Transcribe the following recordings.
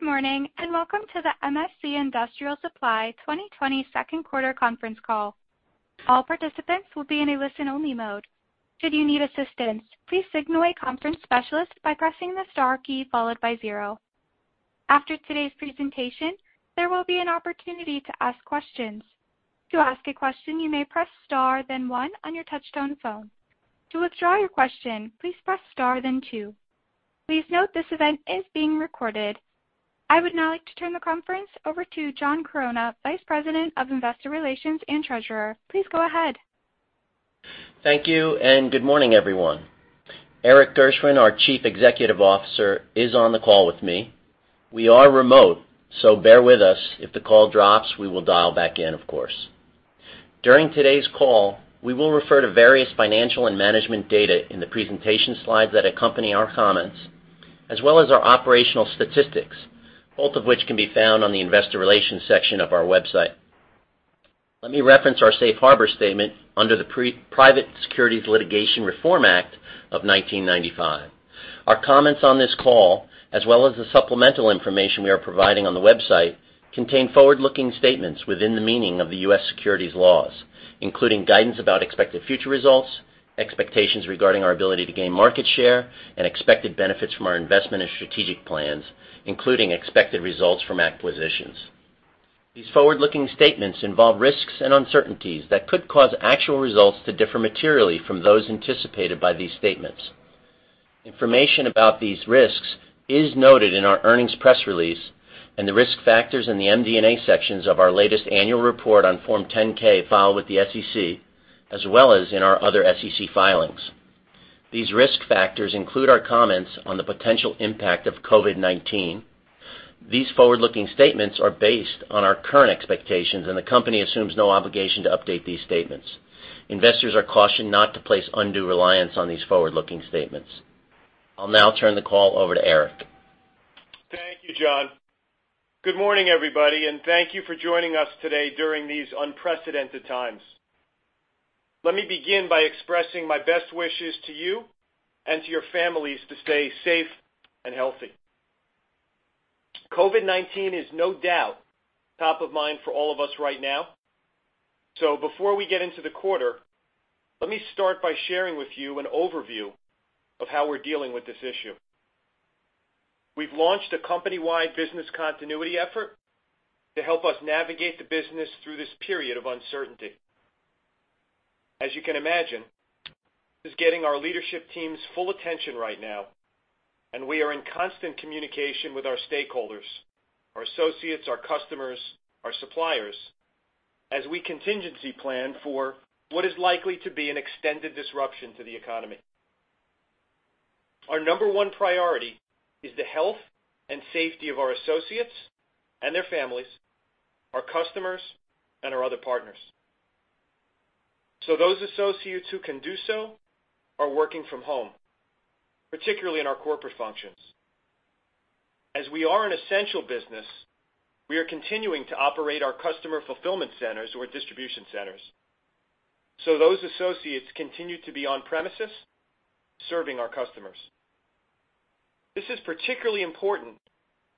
Good morning, and welcome to the MSC Industrial Direct 2020 Second Quarter Conference Call. All participants will be in a listen-only mode. Should you need assistance, please signal a conference specialist by pressing the star key followed by zero. After today's presentation, there will be an opportunity to ask questions. To ask a question, you may press star then one on your touch-tone phone. To withdraw your question, please press star then two. Please note this event is being recorded. I would now like to turn the conference over to John Chironna, Vice President of Investor Relations and Treasurer. Please go ahead. Thank you, and good morning, everyone. Erik Gershwind, our Chief Executive Officer, is on the call with me. We are remote, so bear with us. If the call drops, we will dial back in, of course. During today's call, we will refer to various financial and management data in the presentation slides that accompany our comments, as well as our operational statistics, both of which can be found on the Investor Relations section of our website. Let me reference our safe harbor statement under the Private Securities Litigation Reform Act of 1995. Our comments on this call, as well as the supplemental information we are providing on the website, contain forward-looking statements within the meaning of the U.S. securities laws, including guidance about expected future results, expectations regarding our ability to gain market share, and expected benefits from our investment and strategic plans, including expected results from acquisitions. These forward-looking statements involve risks and uncertainties that could cause actual results to differ materially from those anticipated by these statements. Information about these risks is noted in our earnings press release and the risk factors in the MD&A sections of our latest annual report on Form 10-K filed with the SEC, as well as in our other SEC filings. These risk factors include our comments on the potential impact of COVID-19. These forward-looking statements are based on our current expectations, and the company assumes no obligation to update these statements. Investors are cautioned not to place undue reliance on these forward-looking statements. I'll now turn the call over to Erik. Thank you, John. Good morning, everybody. Thank you for joining us today during these unprecedented times. Let me begin by expressing my best wishes to you and to your families to stay safe and healthy. COVID-19 is no doubt top of mind for all of us right now. Before we get into the quarter, let me start by sharing with you an overview of how we're dealing with this issue. We've launched a company-wide business continuity effort to help us navigate the business through this period of uncertainty. As you can imagine, this is getting our leadership team's full attention right now. We are in constant communication with our stakeholders, our associates, our customers, our suppliers, as we contingency plan for what is likely to be an extended disruption to the economy. Our number one priority is the health and safety of our associates and their families, our customers, and our other partners. Those associates who can do so are working from home, particularly in our corporate functions. As we are an essential business, we are continuing to operate our customer fulfillment centers or distribution centers. Those associates continue to be on premises, serving our customers. This is particularly important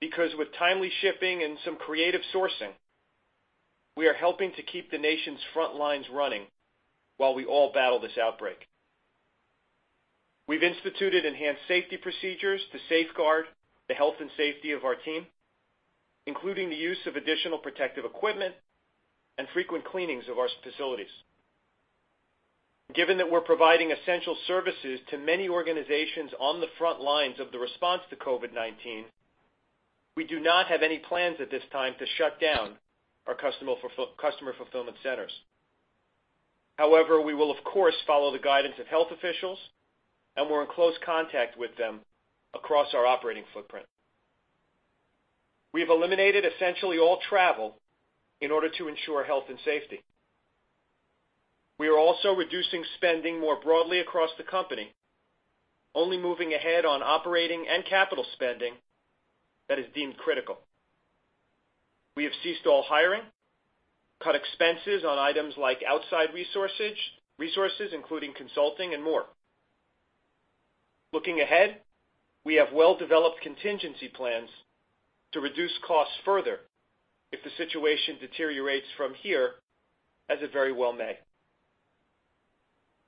because with timely shipping and some creative sourcing, we are helping to keep the nation's front lines running while we all battle this outbreak. We've instituted enhanced safety procedures to safeguard the health and safety of our team, including the use of additional protective equipment and frequent cleanings of our facilities. Given that we're providing essential services to many organizations on the front lines of the response to COVID-19, we do not have any plans at this time to shut down our customer fulfillment centers. However, we will of course follow the guidance of health officials, and we're in close contact with them across our operating footprint. We've eliminated essentially all travel in order to ensure health and safety. We are also reducing spending more broadly across the company, only moving ahead on operating and capital spending that is deemed critical. We have ceased all hiring, cut expenses on items like outside resources, including consulting and more. Looking ahead, we have well-developed contingency plans to reduce costs further if the situation deteriorates from here, as it very well may.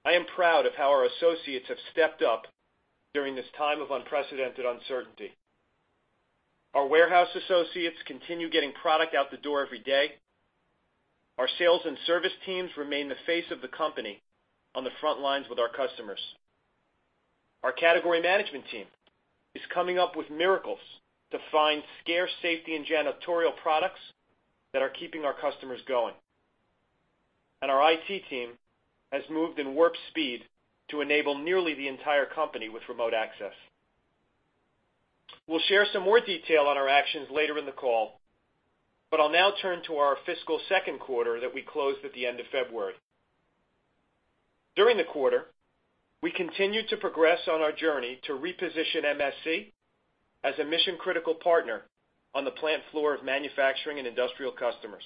I am proud of how our associates have stepped up during this time of unprecedented uncertainty. Our warehouse associates continue getting product out the door every day. Our sales and service teams remain the face of the company on the front lines with our customers. Our category management team is coming up with miracles to find scarce safety and janitorial products that are keeping our customers going. Our IT team has moved in warp speed to enable nearly the entire company with remote access. We'll share some more detail on our actions later in the call, but I'll now turn to our fiscal second quarter that we closed at the end of February. During the quarter, we continued to progress on our journey to reposition MSC as a mission-critical partner on the plant floor of manufacturing and industrial customers.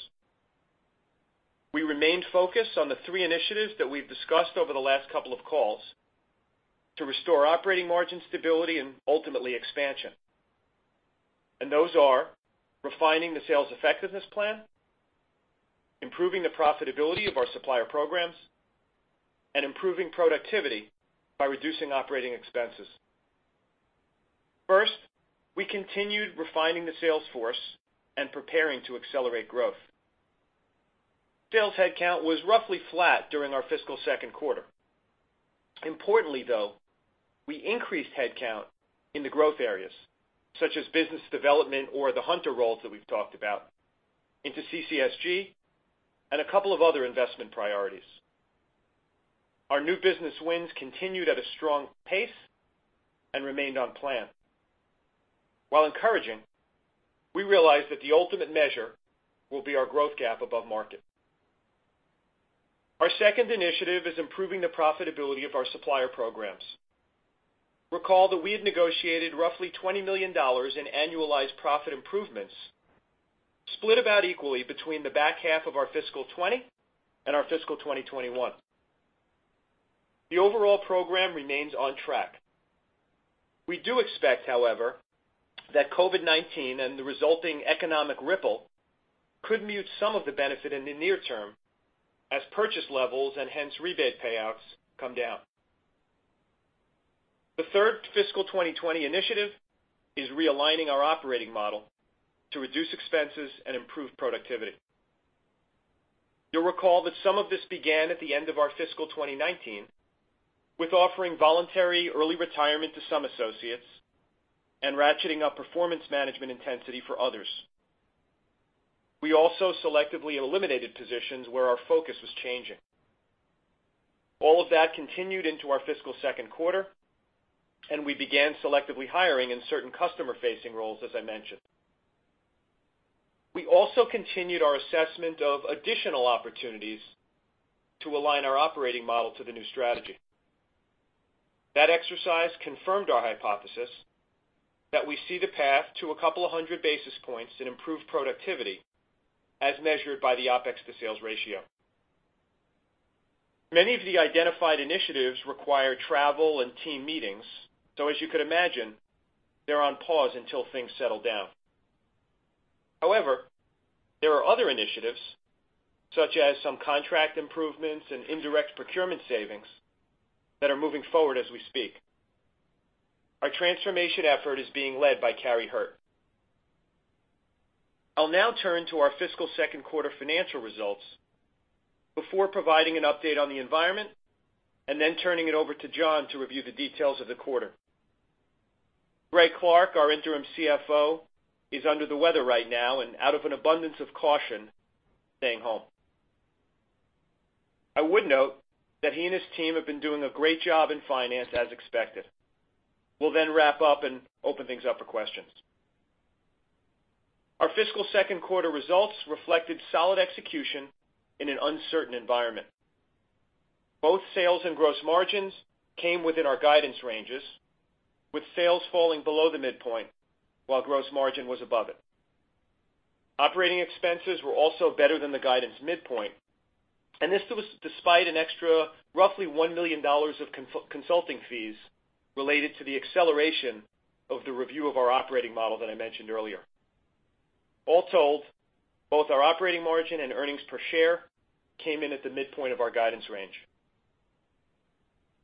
We remained focused on the three initiatives that we've discussed over the last couple of calls to restore operating margin stability and ultimately expansion. Those are refining the sales effectiveness plan, improving the profitability of our supplier programs, and improving productivity by reducing operating expenses. First, we continued refining the sales force and preparing to accelerate growth. Sales headcount was roughly flat during our fiscal second quarter. Importantly, though, we increased headcount in the growth areas, such as business development or the hunter roles that we've talked about into CCSG and a couple of other investment priorities. Our new business wins continued at a strong pace and remained on plan. While encouraging, we realize that the ultimate measure will be our growth gap above market. Our second initiative is improving the profitability of our supplier programs. Recall that we had negotiated roughly $20 million in annualized profit improvements, split about equally between the back half of our fiscal 2020 and our fiscal 2021. The overall program remains on track. We do expect, however, that COVID-19 and the resulting economic ripple could mute some of the benefit in the near term as purchase levels, and hence rebate payouts, come down. The third fiscal 2020 initiative is realigning our operating model to reduce expenses and improve productivity. You'll recall that some of this began at the end of our fiscal 2019 with offering voluntary early retirement to some associates and ratcheting up performance management intensity for others. We also selectively eliminated positions where our focus was changing. All of that continued into our fiscal second quarter, and we began selectively hiring in certain customer-facing roles, as I mentioned. We also continued our assessment of additional opportunities to align our operating model to the new strategy. That exercise confirmed our hypothesis that we see the path to a couple of hundred basis points in improved productivity as measured by the OpEx to sales ratio. Many of the identified initiatives require travel and team meetings, so as you could imagine, they're on pause until things settle down. However, there are other initiatives, such as some contract improvements and indirect procurement savings, that are moving forward as we speak. Our transformation effort is being led by [Carrie Hart]. I'll now turn to our fiscal second quarter financial results before providing an update on the environment and then turning it over to John to review the details of the quarter. Greg Clark, our interim CFO, is under the weather right now and out of an abundance of caution, staying home. I would note that he and his team have been doing a great job in finance as expected. We'll then wrap up and open things up for questions. Our fiscal second quarter results reflected solid execution in an uncertain environment. Both sales and gross margins came within our guidance ranges, with sales falling below the midpoint while gross margin was above it. Operating expenses were also better than the guidance midpoint, and this was despite an extra roughly $1 million of consulting fees related to the acceleration of the review of our operating model that I mentioned earlier. All told, both our operating margin and earnings per share came in at the midpoint of our guidance range.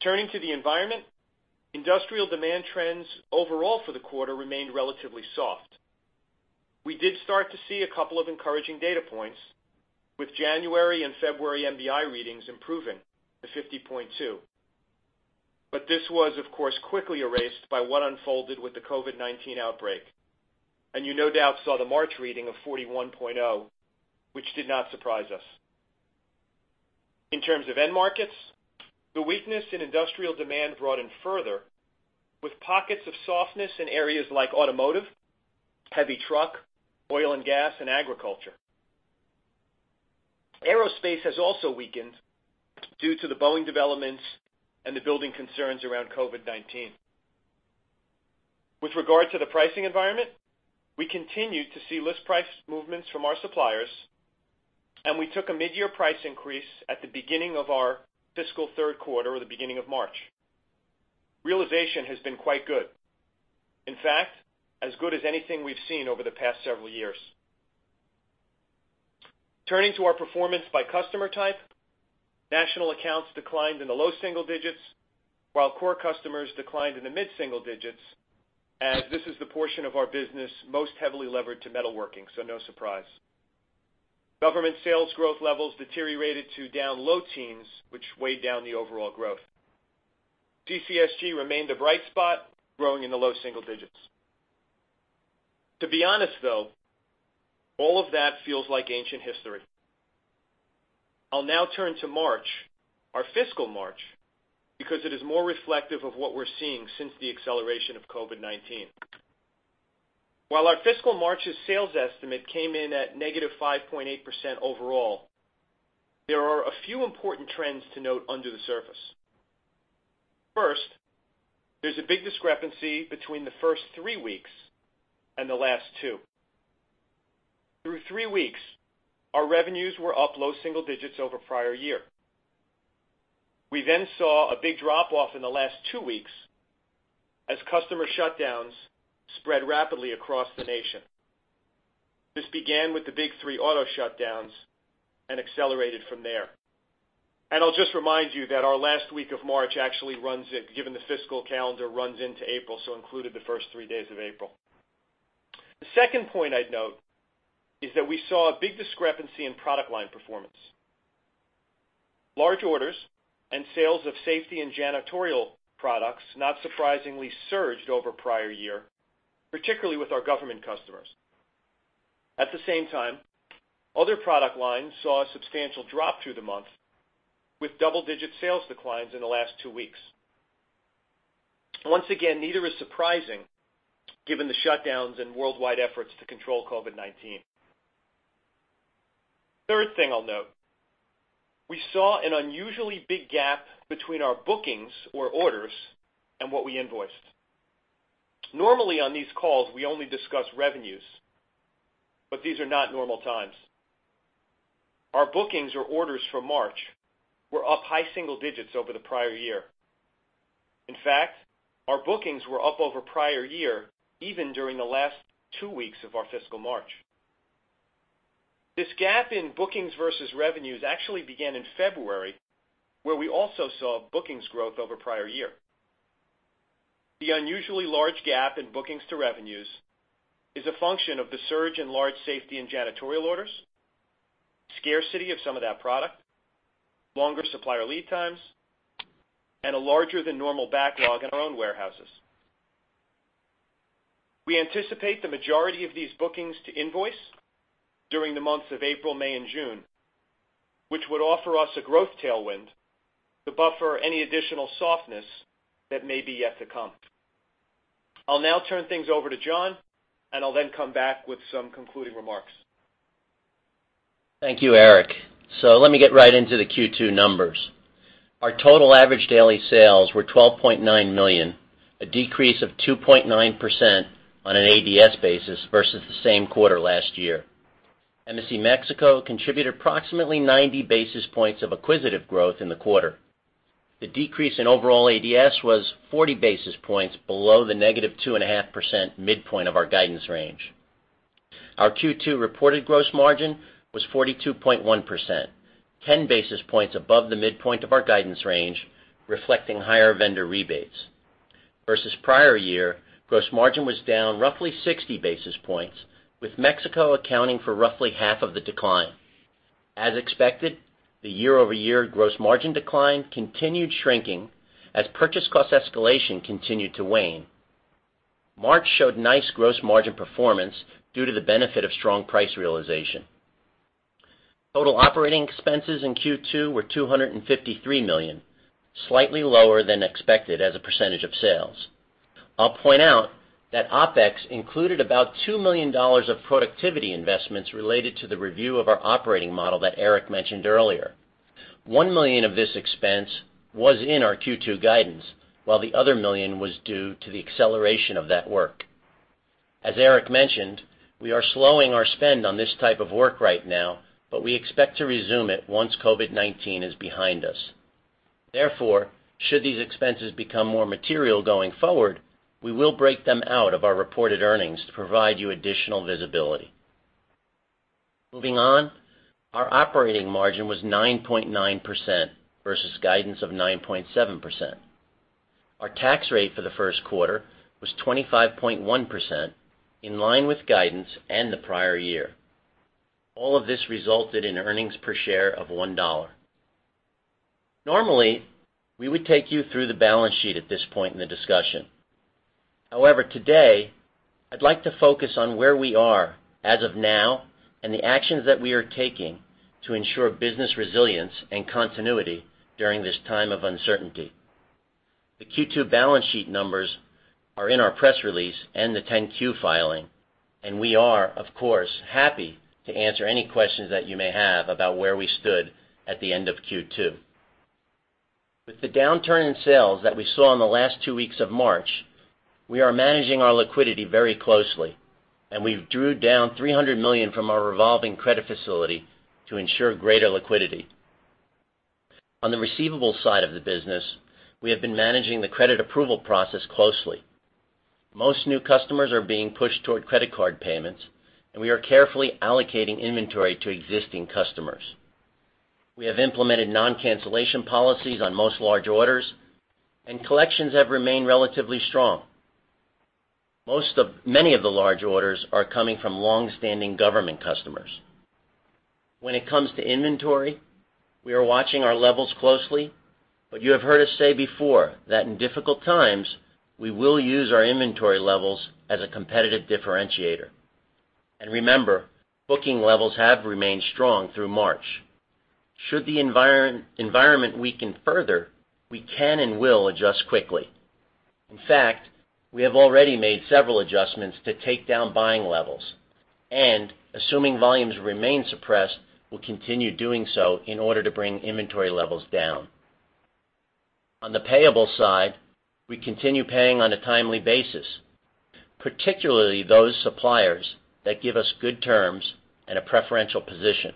Turning to the environment, industrial demand trends overall for the quarter remained relatively soft. We did start to see a couple of encouraging data points, with January and February MBI readings improving to 50.2. This was, of course, quickly erased by what unfolded with the COVID-19 outbreak. You no doubt saw the March reading of 41.0, which did not surprise us. In terms of end markets, the weakness in industrial demand broadened further with pockets of softness in areas like automotive, heavy truck, oil and gas, and agriculture. Aerospace has also weakened due to the Boeing developments and the building concerns around COVID-19. With regard to the pricing environment, we continued to see list price movements from our suppliers, and we took a mid-year price increase at the beginning of our fiscal third quarter or the beginning of March. Realization has been quite good. In fact, as good as anything we've seen over the past several years. Turning to our performance by customer type, national accounts declined in the low single digits, while core customers declined in the mid-single digits, as this is the portion of our business most heavily levered to metalworking, so no surprise. Government sales growth levels deteriorated to down low teens, which weighed down the overall growth. CCSG remained a bright spot, growing in the low single digits. To be honest, all of that feels like ancient history. I'll now turn to March, our fiscal March, because it is more reflective of what we're seeing since the acceleration of COVID-19. While our fiscal March's sales estimate came in at negative 5.8% overall, there are a few important trends to note under the surface. First, there's a big discrepancy between the first three weeks and the last two. Through three weeks, our revenues were up low single digits over prior year. We saw a big drop-off in the last two weeks as customer shutdowns spread rapidly across the nation. This began with the big three auto shutdowns and accelerated from there. I'll just remind you that our last week of March actually, given the fiscal calendar, runs into April, so included the first three days of April. The second point I'd note is that we saw a big discrepancy in product line performance. Large orders and sales of safety and janitorial products, not surprisingly, surged over prior year, particularly with our government customers. At the same time, other product lines saw a substantial drop through the month, with double-digit sales declines in the last two weeks. Once again, neither is surprising given the shutdowns and worldwide efforts to control COVID-19. Third thing I'll note, we saw an unusually big gap between our bookings or orders and what we invoiced. Normally, on these calls, we only discuss revenues, but these are not normal times. Our bookings or orders for March were up high single digits over the prior year. In fact, our bookings were up over prior year, even during the last two weeks of our fiscal March. This gap in bookings versus revenues actually began in February, where we also saw bookings growth over prior year. The unusually large gap in bookings to revenues is a function of the surge in large safety and janitorial orders, scarcity of some of that product, longer supplier lead times, and a larger than normal backlog in our own warehouses. We anticipate the majority of these bookings to invoice during the months of April, May, and June, which would offer us a growth tailwind to buffer any additional softness that may be yet to come. I'll now turn things over to John, and I'll then come back with some concluding remarks. Thank you, Erik. Let me get right into the Q2 numbers. Our total average daily sales were $12.9 million, a decrease of 2.9% on an ADS basis versus the same quarter last year. MSC Mexico contributed approximately 90 basis points of acquisitive growth in the quarter. The decrease in overall ADS was 40 basis points below the -2.5% midpoint of our guidance range. Our Q2 reported gross margin was 42.1%, 10 basis points above the midpoint of our guidance range, reflecting higher vendor rebates. Versus prior year, gross margin was down roughly 60 basis points, with Mexico accounting for roughly half of the decline. As expected, the year-over-year gross margin decline continued shrinking as purchase cost escalation continued to wane. March showed nice gross margin performance due to the benefit of strong price realization. Total operating expenses in Q2 were $253 million, slightly lower than expected as a percentage of sales. I'll point out that OpEx included about $2 million of productivity investments related to the review of our operating model that Erik mentioned earlier. $1 million of this expense was in our Q2 guidance, while the other $1 million was due to the acceleration of that work. As Erik mentioned, we are slowing our spend on this type of work right now, but we expect to resume it once COVID-19 is behind us. Therefore, should these expenses become more material going forward, we will break them out of our reported earnings to provide you additional visibility. Moving on, our operating margin was 9.9% versus guidance of 9.7%. Our tax rate for the [second] quarter was 25.1%, in line with guidance and the prior year. All of this resulted in earnings per share of $1. Normally, we would take you through the balance sheet at this point in the discussion. However, today, I'd like to focus on where we are as of now and the actions that we are taking to ensure business resilience and continuity during this time of uncertainty. The Q2 balance sheet numbers are in our press release and the 10-Q filing, and we are, of course, happy to answer any questions that you may have about where we stood at the end of Q2. With the downturn in sales that we saw in the last two weeks of March, we are managing our liquidity very closely, and we've drew down $300 million from our revolving credit facility to ensure greater liquidity. On the receivable side of the business, we have been managing the credit approval process closely. Most new customers are being pushed toward credit card payments. We are carefully allocating inventory to existing customers. We have implemented non-cancellation policies on most large orders. Collections have remained relatively strong. Many of the large orders are coming from longstanding government customers. When it comes to inventory, we are watching our levels closely. You have heard us say before that in difficult times, we will use our inventory levels as a competitive differentiator. Remember, booking levels have remained strong through March. Should the environment weaken further, we can and will adjust quickly. In fact, we have already made several adjustments to take down buying levels. Assuming volumes remain suppressed, we'll continue doing so in order to bring inventory levels down. On the payable side, we continue paying on a timely basis, particularly those suppliers that give us good terms and a preferential position.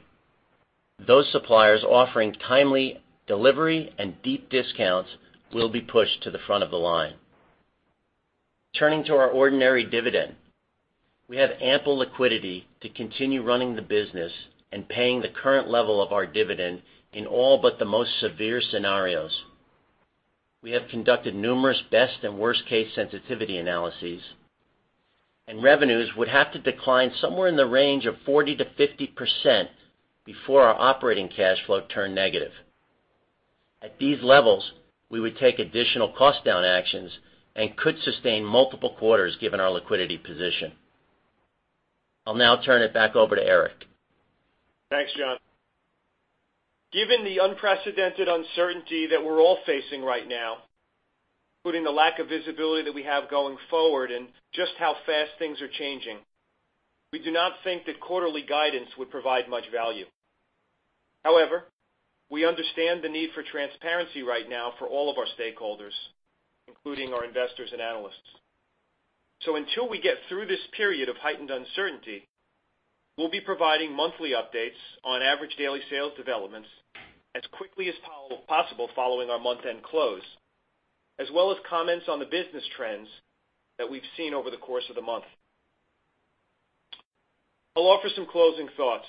Those suppliers offering timely delivery and deep discounts will be pushed to the front of the line. Turning to our ordinary dividend, we have ample liquidity to continue running the business and paying the current level of our dividend in all but the most severe scenarios. We have conducted numerous best and worst case sensitivity analyses. Revenues would have to decline somewhere in the range of 40%-50% before our operating cash flow turn negative. At these levels, we would take additional cost-down actions and could sustain multiple quarters given our liquidity position. I'll now turn it back over to Erik. Thanks, John. Given the unprecedented uncertainty that we're all facing right now, including the lack of visibility that we have going forward and just how fast things are changing, we do not think that quarterly guidance would provide much value. We understand the need for transparency right now for all of our stakeholders, including our investors and analysts. Until we get through this period of heightened uncertainty, we'll be providing monthly updates on average daily sales developments as quickly as possible following our month-end close, as well as comments on the business trends that we've seen over the course of the month. I'll offer some closing thoughts.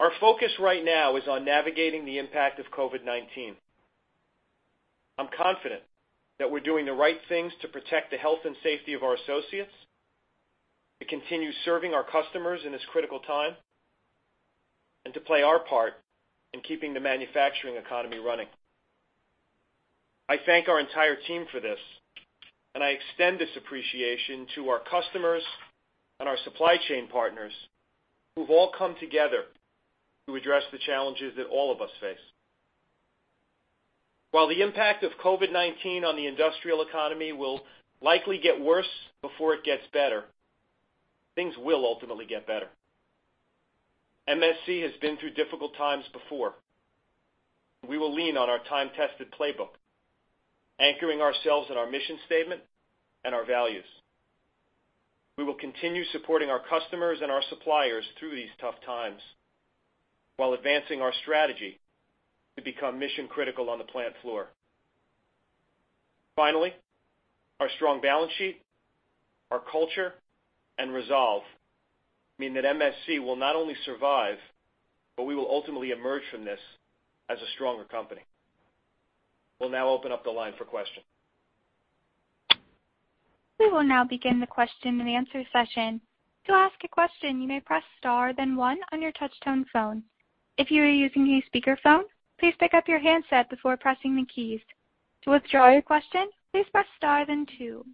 Our focus right now is on navigating the impact of COVID-19. I'm confident that we're doing the right things to protect the health and safety of our associates, to continue serving our customers in this critical time, and to play our part in keeping the manufacturing economy running. I thank our entire team for this, and I extend this appreciation to our customers and our supply chain partners who've all come together to address the challenges that all of us face. While the impact of COVID-19 on the industrial economy will likely get worse before it gets better, things will ultimately get better. MSC has been through difficult times before. We will lean on our time-tested playbook, anchoring ourselves in our mission statement and our values. We will continue supporting our customers and our suppliers through these tough times while advancing our strategy to become mission-critical on the plant floor. Finally, our strong balance sheet, our culture, and resolve mean that MSC will not only survive, but we will ultimately emerge from this as a stronger company. We'll now open up the line for questions. We will now begin the question-and-answer session. To ask a question, you may press star then one on your touch tone phone. If you are using a speakerphone, please pick up your handset before pressing the keys. To withdraw your question, please press star then two.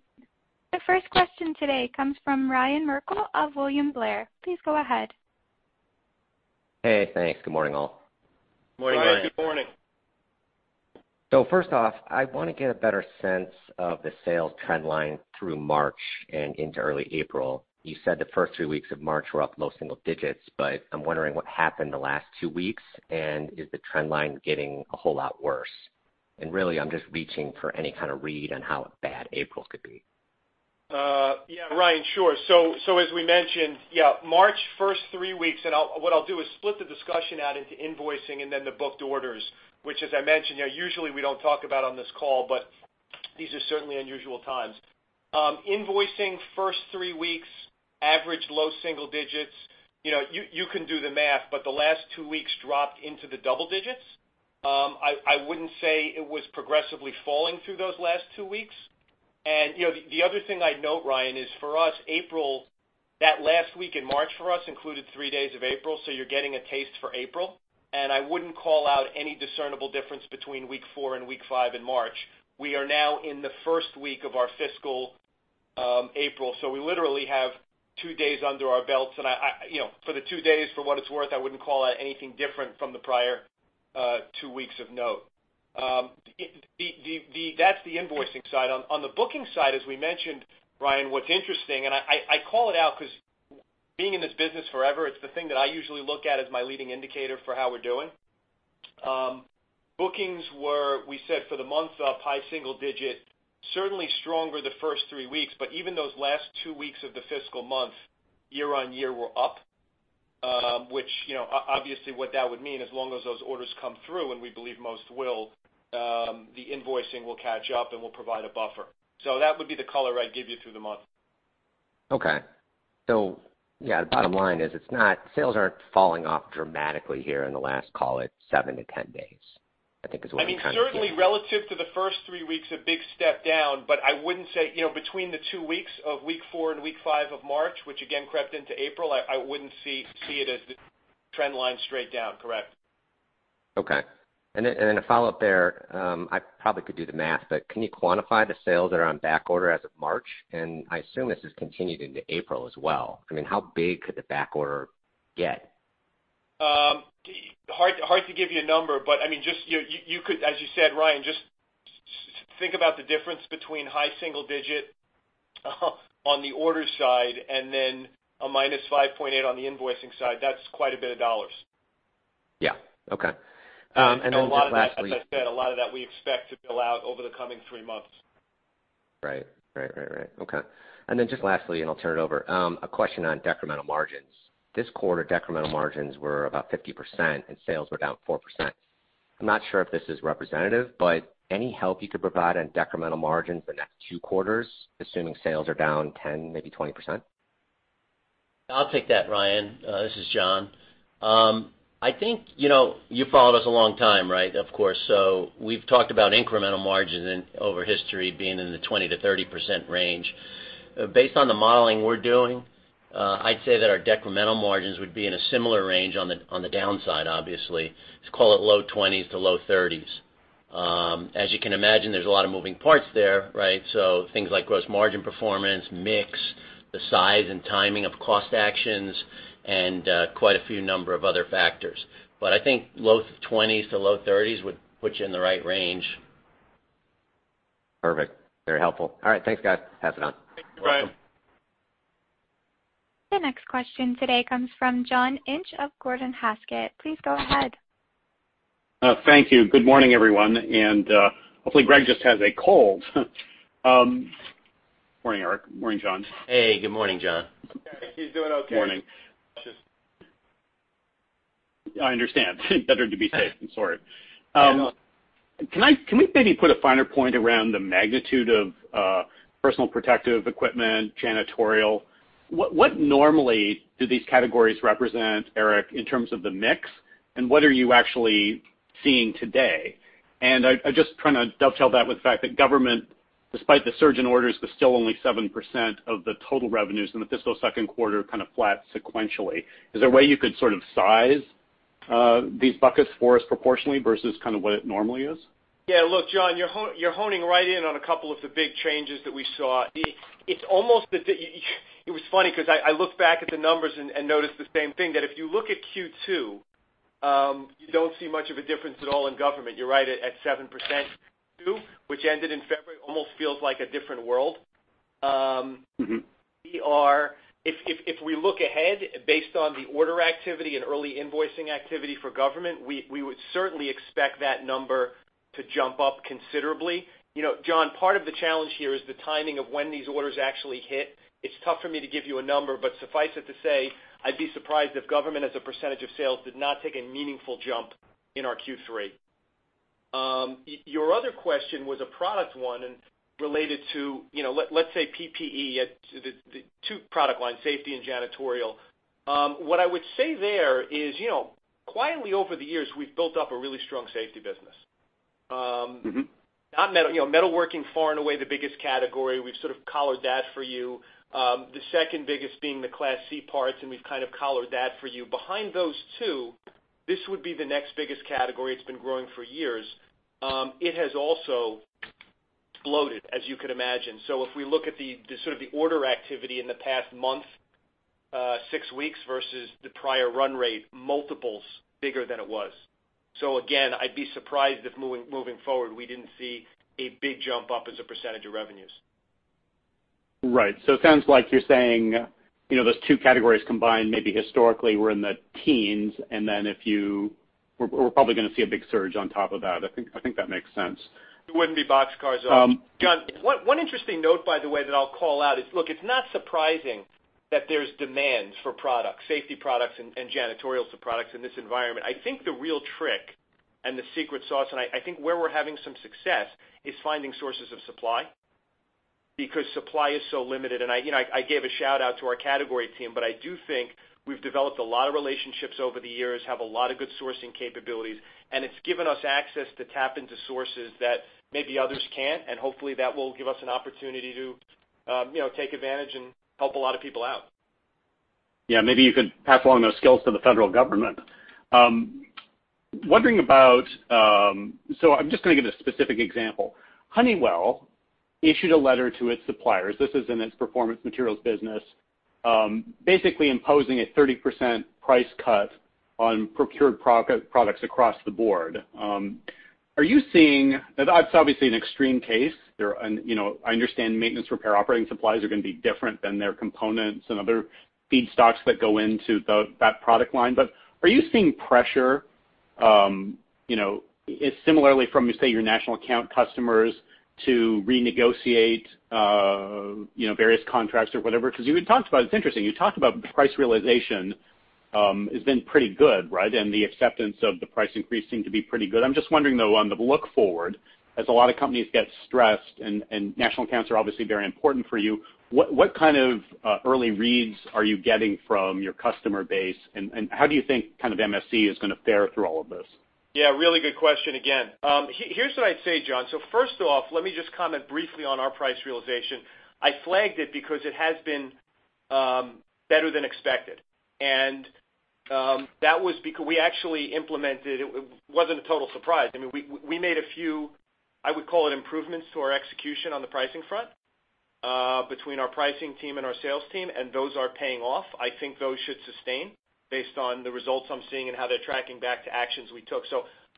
The first question today comes from Ryan Merkel of William Blair. Please go ahead. Hey, thanks. Good morning, all. Morning, Ryan. Good morning. First off, I want to get a better sense of the sales trend line through March and into early April. You said the first three weeks of March were up low single digits, but I'm wondering what happened the last two weeks, and is the trend line getting a whole lot worse? Really, I'm just reaching for any kind of read on how bad April could be. Ryan. Sure. As we mentioned, March first three weeks, and what I'll do is split the discussion out into invoicing and then the booked orders, which as I mentioned, usually we don't talk about on this call, but these are certainly unusual times. Invoicing first three weeks, average low single digits. You can do the math, but the last two weeks dropped into the double digits. I wouldn't say it was progressively falling through those last two weeks. The other thing I'd note, Ryan, is for us, April, that last week in March for us included three days of April, so you're getting a taste for April. I wouldn't call out any discernible difference between Week 4 and Week 5 in March. We are now in the first week of our fiscal April. We literally have two days under our belts, and for the two days, for what it's worth, I wouldn't call out anything different from the prior two weeks of note. That's the invoicing side. On the booking side, as we mentioned, Ryan, what's interesting, and I call it out because being in this business forever, it's the thing that I usually look at as my leading indicator for how we're doing. Bookings were, we said for the month up high single digit, certainly stronger the first three weeks, but even those last two weeks of the fiscal month year-on-year were up. Which obviously what that would mean, as long as those orders come through, and we believe most will, the invoicing will catch up, and we'll provide a buffer. That would be the color I'd give you through the month. Okay. Yeah, the bottom line is sales aren't falling off dramatically here in the last, call it 7-10 days, I think is what you're trying to get at. I mean, certainly relative to the first three weeks, a big step down, I wouldn't say between the two weeks of Week four and Week five of March, which again crept into April, I wouldn't see it as the trend line straight down. Correct. Okay. Then a follow-up there, I probably could do the math, but can you quantify the sales that are on backorder as of March? I assume this has continued into April as well. I mean, how big could the backorder get? Hard to give you a number, but as you said, Ryan, just think about the difference between high single digit on the order side and then a -5.8 on the invoicing side. That's quite a bit of dollars. Yeah. Okay. Just lastly. A lot of that, as I said, a lot of that we expect to bill out over the coming three months. Right. Okay. Then just lastly, and I'll turn it over, a question on decremental margins. This quarter, decremental margins were about 50%, and sales were down 4%. I'm not sure if this is representative, but any help you could provide on decremental margins the next two quarters, assuming sales are down 10%, maybe 20%? I'll take that, Ryan. This is John. You've followed us a long time, right? Of course, so we've talked about incremental margins over history being in the 20%-30% range. Based on the modeling we're doing, I'd say that our decremental margins would be in a similar range on the downside, obviously. Let's call it low 20s% to low 30s%. As you can imagine, there's a lot of moving parts there, so things like gross margin performance, mix, the size and timing of cost actions, and quite a few number of other factors. I think low 20s% to low 30s% would put you in the right range. Perfect. Very helpful. All right. Thanks, guys. Pass it on. Thanks, Ryan. You're welcome. The next question today comes from John Inch of Gordon Haskett. Please go ahead. Thank you. Good morning, everyone. Hopefully Greg just has a cold. Morning, Erik. Morning, John. Hey, good morning, John. He's doing okay. Morning. I understand. Better to be safe than sorry. Yeah, no. Can we maybe put a finer point around the magnitude of personal protective equipment, janitorial? What normally do these categories represent, Erik, in terms of the mix, and what are you actually seeing today? I'm just trying to dovetail that with the fact that government, despite the surge in orders, was still only 7% of the total revenues in the fiscal second quarter, kind of flat sequentially. Is there a way you could sort of size these buckets for us proportionally versus what it normally is? Yeah. Look, John, you're honing right in on a couple of the big changes that we saw. It was funny because I looked back at the numbers and noticed the same thing, that if you look at Q2, you don't see much of a difference at all in government. You're right, at 7%. Q2, which ended in February, almost feels like a different world. If we look ahead based on the order activity and early invoicing activity for government, we would certainly expect that number to jump up considerably. John, part of the challenge here is the timing of when these orders actually hit. It's tough for me to give you a number, but suffice it to say, I'd be surprised if government as a percentage of sales did not take a meaningful jump in our Q3. Your other question was a product one and related to, let's say, PPE, the two product lines, safety and janitorial. What I would say there is quietly over the years, we've built up a really strong safety business. Metalworking, far and away the biggest category. We've sort of collared that for you. The second biggest being the Class C parts, and we've kind of collared that for you. Behind those two, this would be the next biggest category. It's been growing for years. It has also bloated, as you could imagine. If we look at the sort of the order activity in the past month, six weeks versus the prior run rate, multiples bigger than it was. Again, I'd be surprised if moving forward, we didn't see a big jump up as a percentage of revenues. Right. It sounds like you're saying, those two categories combined, maybe historically were in the teens, and then we're probably going to see a big surge on top of that. I think that makes sense. It wouldn't be box cars. John, one interesting note, by the way, that I'll call out is, look, it's not surprising that there's demand for products, safety products and janitorial products in this environment. I think the real trick and the secret sauce, and I think where we're having some success is finding sources of supply, because supply is so limited. I gave a shout-out to our category team, but I do think we've developed a lot of relationships over the years, have a lot of good sourcing capabilities, and it's given us access to tap into sources that maybe others can't, and hopefully, that will give us an opportunity to take advantage and help a lot of people out. Yeah, maybe you could pass along those skills to the federal government. I'm just going to give a specific example. Honeywell issued a letter to its suppliers, this is in its Performance Materials business, basically imposing a 30% price cut on procured products across the board. That's obviously an extreme case. I understand maintenance, repair, operating supplies are going to be different than their components and other feedstocks that go into that product line. Are you seeing pressure, similarly from, say, your national account customers to renegotiate various contracts or whatever? It's interesting, you talked about price realization has been pretty good, right? The acceptance of the price increase seemed to be pretty good. I'm just wondering, though, on the look forward, as a lot of companies get stressed and national accounts are obviously very important for you, what kind of early reads are you getting from your customer base, and how do you think MSC is going to fare through all of this? Yeah, really good question again. Here's what I'd say, John. First off, let me just comment briefly on our price realization. I flagged it because it has been better than expected. It wasn't a total surprise. We made a few, I would call it improvements to our execution on the pricing front between our pricing team and our sales team. Those are paying off. I think those should sustain based on the results I'm seeing and how they're tracking back to actions we took.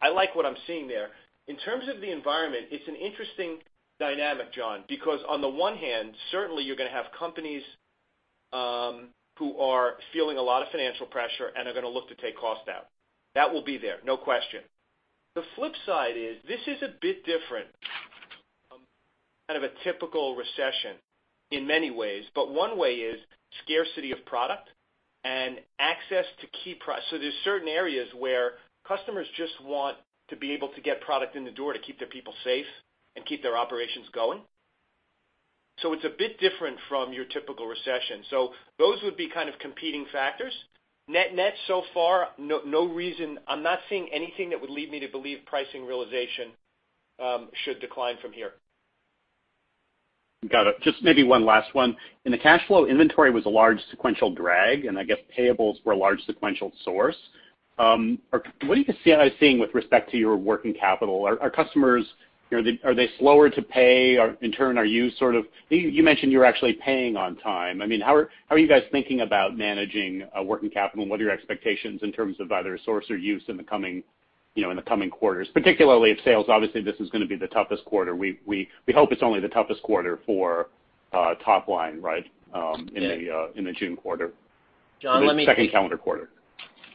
I like what I'm seeing there. In terms of the environment, it's an interesting dynamic, John, because on the one hand, certainly you're going to have companies who are feeling a lot of financial pressure and are going to look to take cost out. That will be there, no question. The flip side is, this is a bit different kind of a typical recession in many ways, but one way is scarcity of product and access to key price. There's certain areas where customers just want to be able to get product in the door to keep their people safe and keep their operations going. It's a bit different from your typical recession. Those would be kind of competing factors. Net so far, no reason I'm not seeing anything that would lead me to believe pricing realization should decline from here. Got it. Just maybe one last one. In the cash flow, inventory was a large sequential drag, and I guess payables were a large sequential source. What do you see happening with respect to your working capital? Are customers, are they slower to pay? In turn, you mentioned you're actually paying on time. How are you guys thinking about managing working capital, and what are your expectations in terms of either source or use in the coming quarters? Particularly if sales, obviously, this is going to be the toughest quarter. We hope it's only the toughest quarter for top line, in the June quarter. John, let me- The second calendar quarter.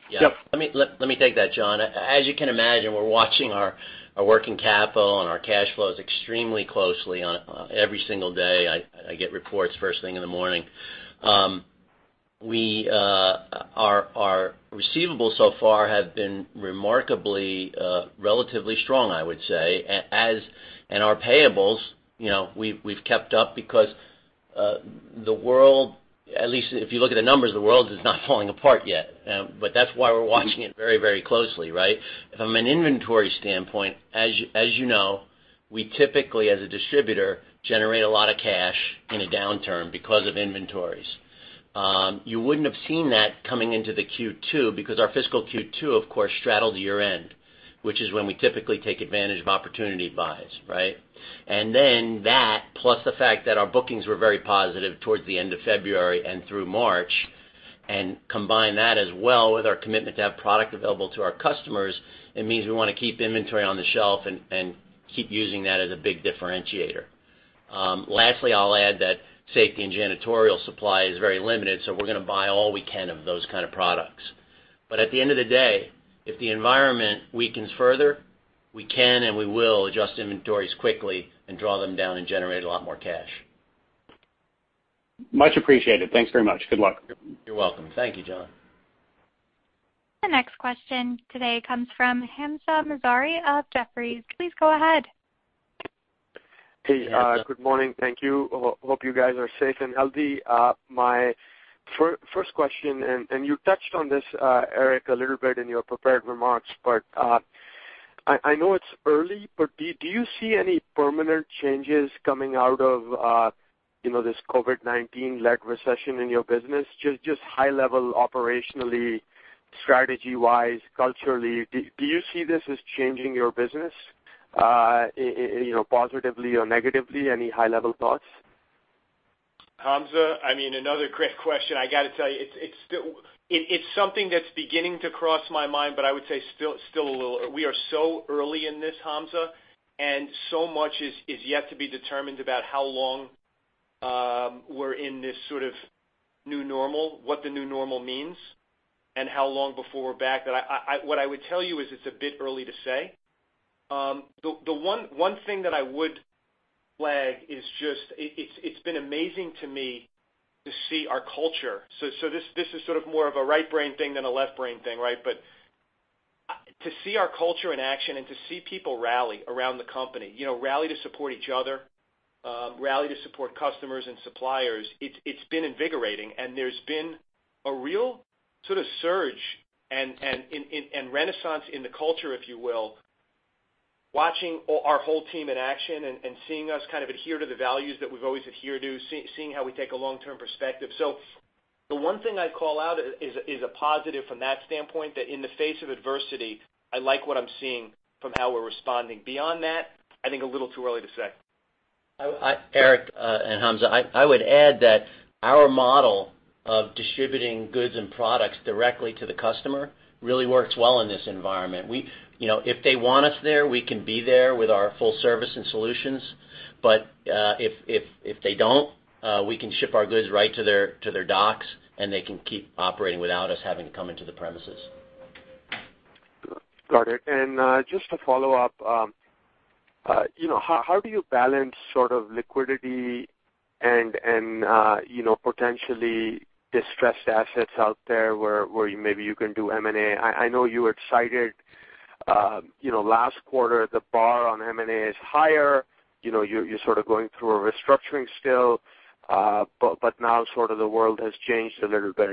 Yeah. Yep. Let me take that, John. As you can imagine, we're watching our working capital and our cash flows extremely closely on every single day. I get reports first thing in the morning. Our receivables so far have been remarkably, relatively strong, I would say. Our payables, we've kept up because the world, at least if you look at the numbers, the world is not falling apart yet. That's why we're watching it very closely. From an inventory standpoint, as you know, we typically as a distributor, generate a lot of cash in a downturn because of inventories. You wouldn't have seen that coming into the Q2 because our fiscal Q2, of course, straddled year-end, which is when we typically take advantage of opportunity buys. That, plus the fact that our bookings were very positive towards the end of February and through March, and combine that as well with our commitment to have product available to our customers, it means we want to keep inventory on the shelf and keep using that as a big differentiator. Lastly, I'll add that safety and janitorial supply is very limited, so we're going to buy all we can of those kind of products. At the end of the day, if the environment weakens further, we can and we will adjust inventories quickly and draw them down and generate a lot more cash. Much appreciated. Thanks very much. Good luck. You're welcome. Thank you, John. The next question today comes from Hamzah Mazari of Jefferies. Please go ahead. Hey. Hey, Hamzah. Good morning. Thank you. Hope you guys are safe and healthy. My first question, and you touched on this, Erik, a little bit in your prepared remarks, but I know it's early, but do you see any permanent changes coming out of this COVID-19-led recession in your business? Just high level, operationally, strategy-wise, culturally, do you see this as changing your business positively or negatively? Any high-level thoughts? Hamzah, another great question, I got to tell you. It's something that's beginning to cross my mind, but I would say still a little early. We are so early in this, Hamzah, and so much is yet to be determined about how long we're in this sort of new normal, what the new normal means, and how long before we're back. What I would tell you is it's a bit early to say. The one thing that I would flag is just it's been amazing to me to see our culture. This is sort of more of a right-brain thing than a left-brain thing. To see our culture in action and to see people rally around the company, rally to support each other, rally to support customers and suppliers, it's been invigorating. There's been a real sort of surge and renaissance in the culture, if you will, watching our whole team in action and seeing us kind of adhere to the values that we've always adhered to, seeing how we take a long-term perspective. The one thing I'd call out is a positive from that standpoint, that in the face of adversity, I like what I'm seeing from how we're responding. Beyond that, I think a little too early to say. Erik and Hamzah, I would add that our model of distributing goods and products directly to the customer really works well in this environment. If they want us there, we can be there with our full service and solutions. If they don't, we can ship our goods right to their docks, and they can keep operating without us having to come into the premises. Got it. Just to follow up, how do you balance sort of liquidity and potentially distressed assets out there where maybe you can do M&A? I know you had cited last quarter, the bar on M&A is higher. You're sort of going through a restructuring still. Now sort of the world has changed a little bit.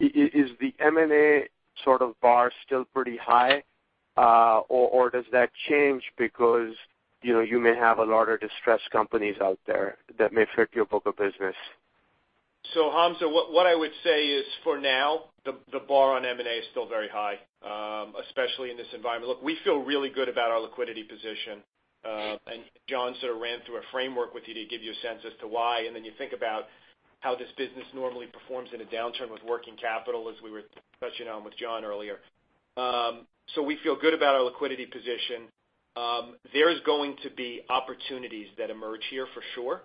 Is the M&A sort of bar still pretty high? Does that change because you may have a lot of distressed companies out there that may fit your book of business? Hamzah, what I would say is, for now, the bar on M&A is still very high, especially in this environment. Look, we feel really good about our liquidity position. John sort of ran through a framework with you to give you a sense as to why, and then you think about how this business normally performs in a downturn with working capital, as we were touching on with John earlier. We feel good about our liquidity position. There is going to be opportunities that emerge here for sure,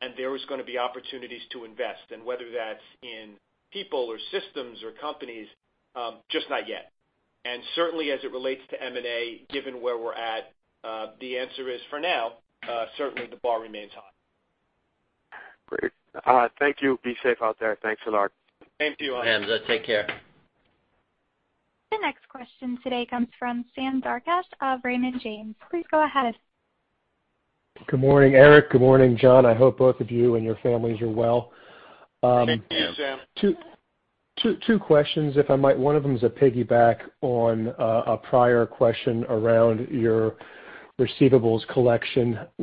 and there is going to be opportunities to invest, and whether that's in people or systems or companies, just not yet. Certainly, as it relates to M&A, given where we're at, the answer is, for now, certainly the bar remains high. Great. Thank you. Be safe out there. Thanks a lot. Thank you, Hamzah. Hamzah, take care. The next question today comes from Sam Darkatsh of Raymond James. Please go ahead. Good morning, Erik. Good morning, John. I hope both of you and your families are well. Thank you, Sam. Two questions, if I might. One of them is a piggyback on a prior question around your receivables collection. I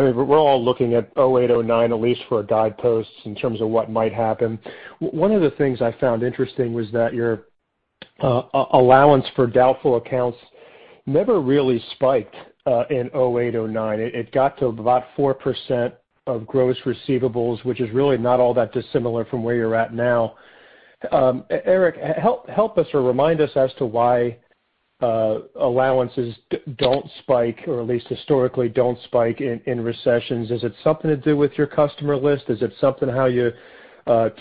mean, we're all looking at 2008, 2009 at least for a guidepost in terms of what might happen. One of the things I found interesting was that your allowance for doubtful accounts never really spiked in 2008, 2009. It got to about 4% of gross receivables, which is really not all that dissimilar from where you're at now. Erik, help us or remind us as to why allowances don't spike, or at least historically don't spike in recessions. Is it something to do with your customer list? Is it something how you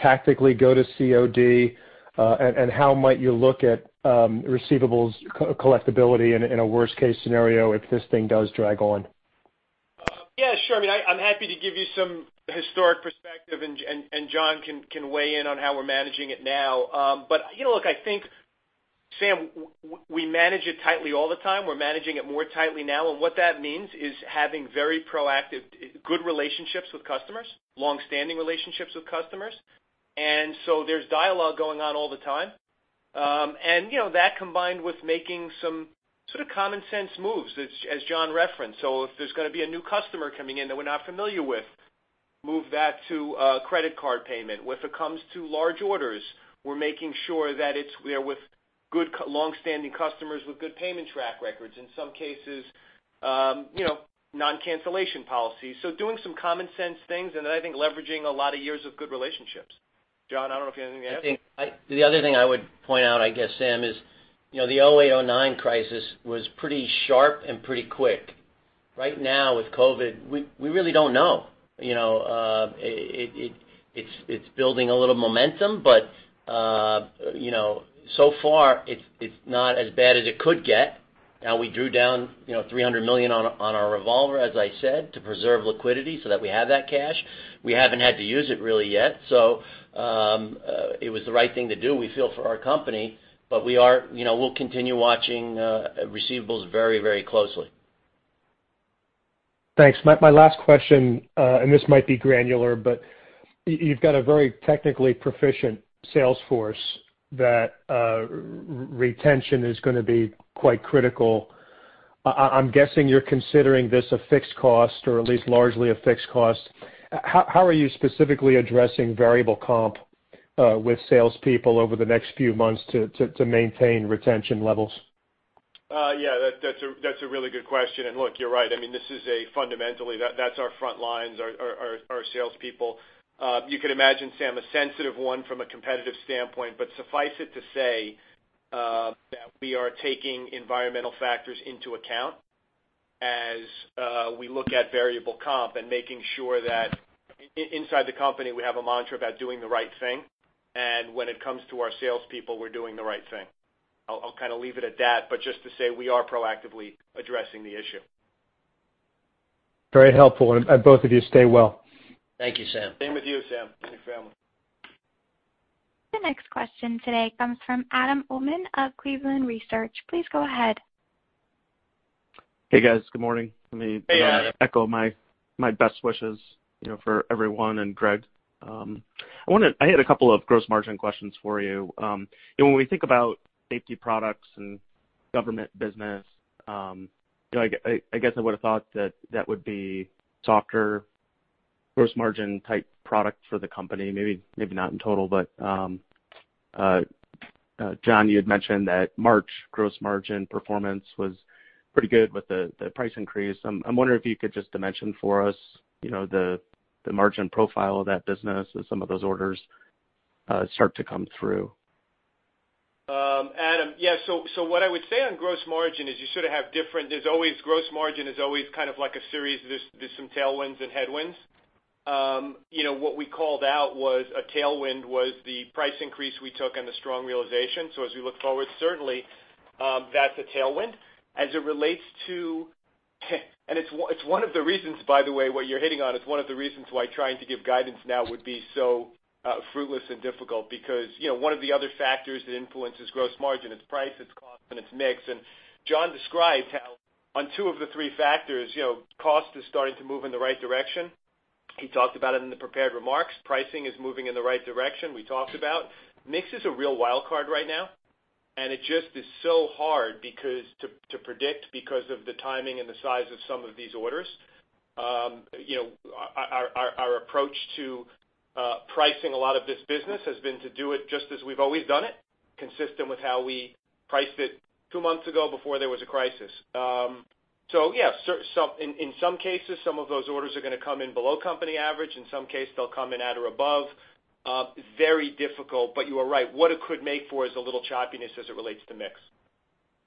tactically go to COD? How might you look at receivables collectability in a worst-case scenario if this thing does drag on? Yeah, sure. I'm happy to give you some historic perspective, and John can weigh in on how we're managing it now. Look, I think, Sam, we manage it tightly all the time. We're managing it more tightly now. What that means is having very proactive, good relationships with customers, long-standing relationships with customers. There's dialogue going on all the time. That combined with making some sort of common sense moves, as John referenced. If there's going to be a new customer coming in that we're not familiar with, move that to a credit card payment. If it comes to large orders, we're making sure that it's with good long-standing customers with good payment track records. In some cases non-cancellation policies. Doing some common sense things and I think leveraging a lot of years of good relationships. John, I don't know if you have anything to add. I think the other thing I would point out, I guess, Sam, is the 2008, 2009 crisis was pretty sharp and pretty quick. With COVID, we really don't know. It's building a little momentum, but so far it's not as bad as it could get. We drew down $300 million on our revolver, as I said, to preserve liquidity so that we have that cash. We haven't had to use it really yet. It was the right thing to do, we feel, for our company, but we'll continue watching receivables very closely. Thanks. My last question, and this might be granular, but you've got a very technically proficient sales force that retention is going to be quite critical. I'm guessing you're considering this a fixed cost or at least largely a fixed cost. How are you specifically addressing variable comp with salespeople over the next few months to maintain retention levels? Yeah, that's a really good question. Look, you're right. I mean, fundamentally, that's our front lines, our salespeople. You could imagine, Sam, a sensitive one from a competitive standpoint. Suffice it to say, that we are taking environmental factors into account as we look at variable comp and making sure that inside the company, we have a mantra about doing the right thing. When it comes to our salespeople, we're doing the right thing. I'll kind of leave it at that, but just to say we are proactively addressing the issue. Very helpful. Both of you stay well. Thank you, Sam. Same with you, Sam, and your family. The next question today comes from Adam Uhlman of Cleveland Research. Please go ahead. Hey, guys. Good morning. Hey, Adam. Let me echo my best wishes for everyone and Greg. I had a couple of gross margin questions for you. When we think about safety products and government business, I guess I would have thought that that would be softer gross margin type product for the company, maybe not in total, but John, you had mentioned that March gross margin performance was pretty good with the price increase. I'm wondering if you could just dimension for us the margin profile of that business as some of those orders start to come through. Adam, yeah. What I would say on gross margin is gross margin is always kind of like a series. There's some tailwinds and headwinds. What we called out was a tailwind was the price increase we took and the strong realization. As we look forward, certainly, that's a tailwind. It's one of the reasons, by the way, what you're hitting on is one of the reasons why trying to give guidance now would be so fruitless and difficult because one of the other factors that influences gross margin, it's price, it's cost, and it's mix. John described how on two of the three factors, cost is starting to move in the right direction. He talked about it in the prepared remarks. Pricing is moving in the right direction, we talked about. Mix is a real wild card right now. It just is so hard to predict because of the timing and the size of some of these orders. Our approach to pricing a lot of this business has been to do it just as we've always done it, consistent with how we priced it two months ago before there was a crisis. Yes, in some cases, some of those orders are going to come in below company average. In some case, they'll come in at or above. Very difficult, but you are right. What it could make for is a little choppiness as it relates to mix.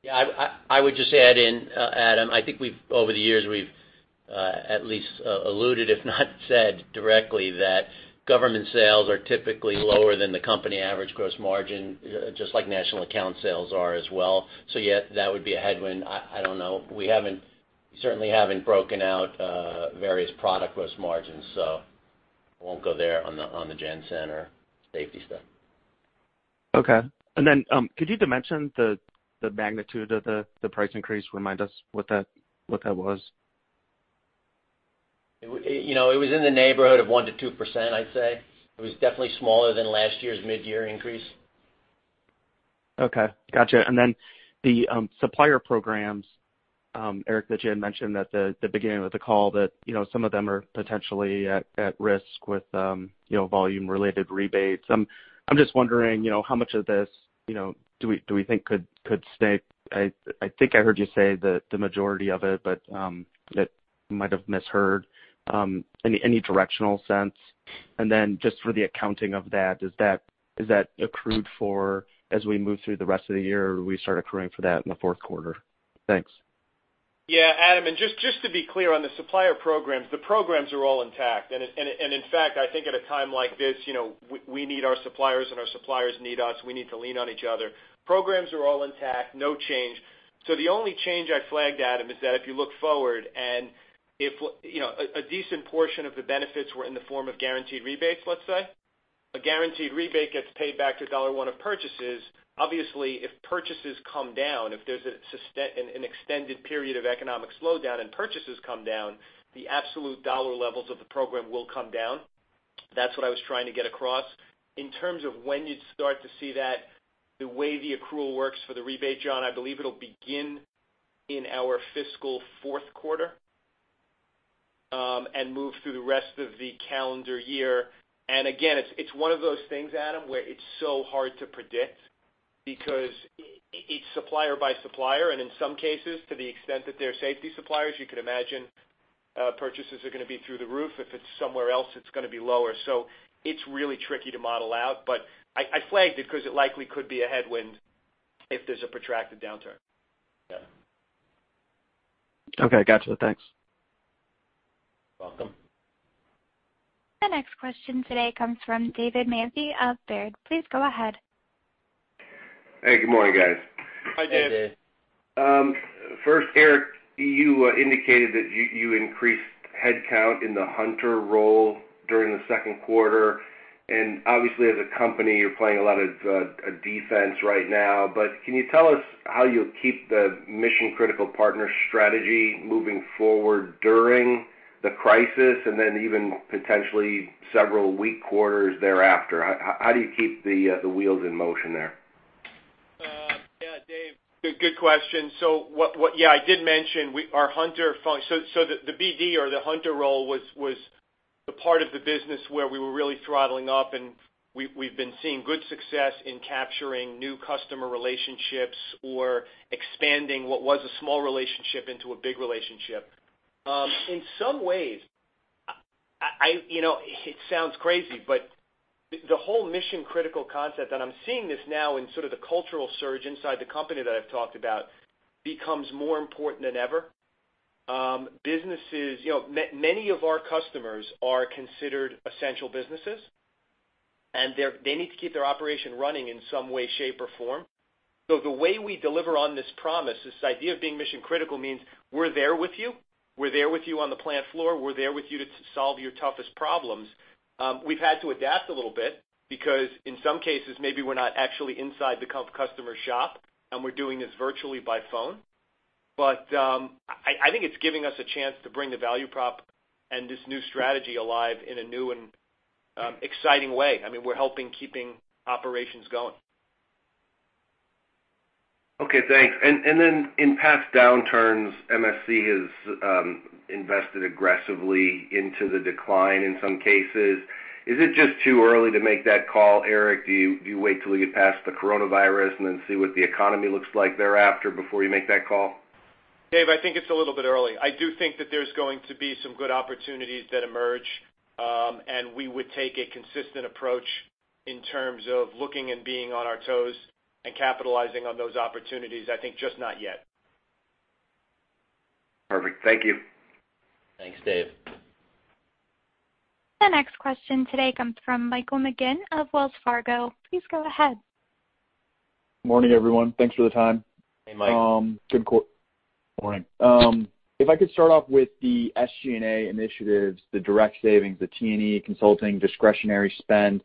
Yeah. I would just add in, Adam, I think over the years, we've at least alluded, if not said directly, that government sales are typically lower than the company average gross margin, just like national account sales are as well. Yeah, that would be a headwind. I don't know. We certainly haven't broken out various product gross margins, so I won't go there on the Jan-San and safety stuff. Okay. Could you dimension the magnitude of the price increase? Remind us what that was. It was in the neighborhood of 1%-2%, I'd say. It was definitely smaller than last year's mid-year increase. Okay. Got you. Then the supplier programs, Erik, that you had mentioned at the beginning of the call that some of them are potentially at risk with volume-related rebates. I'm just wondering, how much of this do we think could stay? I think I heard you say the majority of it, but I might have misheard. Any directional sense? Then just for the accounting of that, is that accrued for as we move through the rest of the year, or we start accruing for that in the fourth quarter? Thanks. Yeah, Adam, just to be clear on the supplier programs, the programs are all intact. In fact, I think at a time like this, we need our suppliers, and our suppliers need us. We need to lean on each other. Programs are all intact, no change. The only change I flagged, Adam, is that if you look forward and if a decent portion of the benefits were in the form of guaranteed rebates, let's say, a guaranteed rebate gets paid back to dollar one of purchases. Obviously, if purchases come down, if there's an extended period of economic slowdown and purchases come down, the absolute dollar levels of the program will come down. That's what I was trying to get across. In terms of when you'd start to see that, the way the accrual works for the rebate, John, I believe it'll begin in our fiscal fourth quarter, and move through the rest of the calendar year. Again, it's one of those things, Adam, where it's so hard to predict because it's supplier by supplier, and in some cases, to the extent that they're safety suppliers, you can imagine purchases are going to be through the roof. If it's somewhere else, it's going to be lower. It's really tricky to model out, but I flagged it because it likely could be a headwind if there's a protracted downturn. Yeah. Okay, gotcha. Thanks. Welcome. The next question today comes from David Manthey of Baird. Please go ahead. Hey, good morning, guys. Hi, Dave. Hi, Dave. Erik, you indicated that you increased headcount in the hunter role during the second quarter, and obviously as a company, you're playing a lot of defense right now, but can you tell us how you'll keep the mission-critical partner strategy moving forward during the crisis and then even potentially several weak quarters thereafter? How do you keep the wheels in motion there? Yeah. Dave, good question. I did mention our hunter function. The BD or the hunter role was the part of the business where we were really throttling up, and we've been seeing good success in capturing new customer relationships or expanding what was a small relationship into a big relationship. In some ways, it sounds crazy, but the whole mission-critical concept, and I'm seeing this now in sort of the cultural surge inside the company that I've talked about, becomes more important than ever. Many of our customers are considered essential businesses, and they need to keep their operation running in some way, shape, or form. The way we deliver on this promise, this idea of being mission-critical means we're there with you, we're there with you on the plant floor, we're there with you to solve your toughest problems. We've had to adapt a little bit because in some cases, maybe we're not actually inside the customer shop and we're doing this virtually by phone. I think it's giving us a chance to bring the value prop and this new strategy alive in a new and exciting way. We're helping keeping operations going. Okay, thanks. In past downturns, MSC has invested aggressively into the decline in some cases. Is it just too early to make that call, Erik? Do you wait till we get past the coronavirus and then see what the economy looks like thereafter before you make that call? Dave, I think it's a little bit early. I do think that there's going to be some good opportunities that emerge, and we would take a consistent approach in terms of looking and being on our toes and capitalizing on those opportunities. I think just not yet. Perfect. Thank you. Thanks, Dave. The next question today comes from Michael McGinn of Wells Fargo. Please go ahead. Morning, everyone. Thanks for the time. Hey, Mike. Good morning. If I could start off with the SG&A initiatives, the direct savings, the T&E consulting, discretionary spend,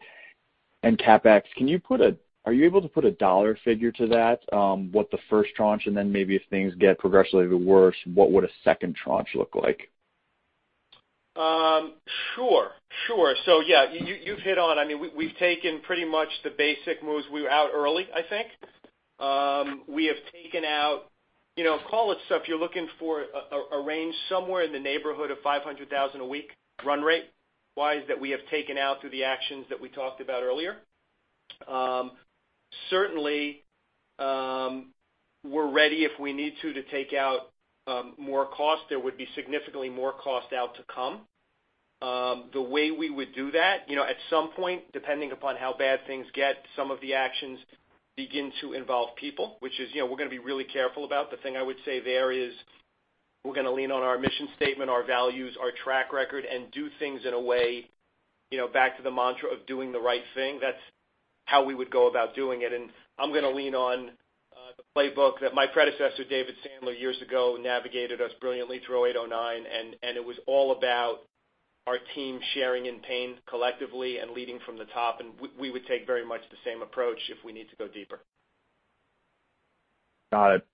and CapEx. Are you able to put a dollar figure to that? What the first tranche, and then maybe if things get progressively worse, what would a second tranche look like? Sure. Yeah, you've hit on it. We've taken pretty much the basic moves. We were out early, I think. We have taken out, call it stuff you're looking for a range somewhere in the neighborhood of $500,000 a week run rate wise that we have taken out through the actions that we talked about earlier. Certainly, we're ready if we need to take out more cost. There would be significantly more cost out to come. The way we would do that, at some point, depending upon how bad things get, some of the actions begin to involve people, which we're going to be really careful about. The thing I would say there is we're going to lean on our mission statement, our values, our track record, and do things in a way, back to the mantra of 'doing the right thing'. That's how we would go about doing it. I'm going to lean on the playbook that my predecessor, David Sandler, years ago, navigated us brilliantly through 2008, 2009, and it was all about our team sharing in pain collectively and leading from the top, and we would take very much the same approach if we need to go deeper. Got it.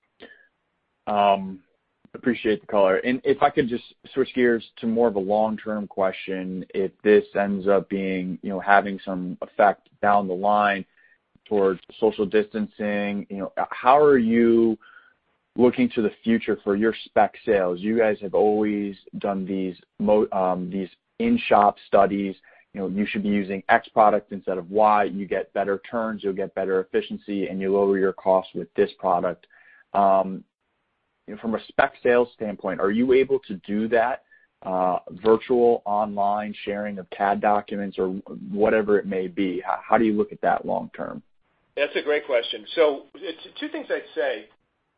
Appreciate the color. If I could just switch gears to more of a long-term question. If this ends up having some effect down the line towards social distancing, how are you looking to the future for your spec sales? You guys have always done these in-shop studies. You should be using X product instead of Y. You get better turns, you'll get better efficiency, and you lower your cost with this product. From a spec sales standpoint, are you able to do that virtual online sharing of CAD documents or whatever it may be? How do you look at that long term? That's a great question. Two things I'd say.